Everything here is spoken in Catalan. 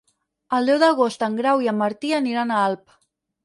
El deu d'agost en Grau i en Martí aniran a Alp.